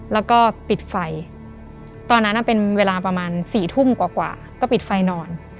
แล้วก็ปิดไฟตอนนั้นเป็นเวลาประมาณ๔ทุ่มกว่าก็ปิดไฟนอน